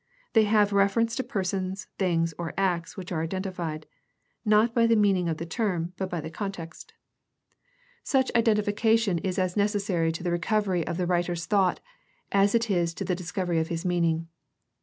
They have reference to persons, things, or acts which are identified, not by the meaning of the term, but by the context. Such THE STUDY OF THE NEW TESTAMENT 213 identification is as necessary to the recovery of the writer's thought as is the discovery of his meaning.